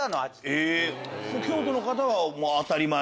京都の方は当たり前？